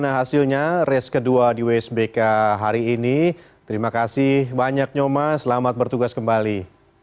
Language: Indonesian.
nah hasilnya race kedua di wsbk hari ini terima kasih banyak nyoma selamat bertugas kembali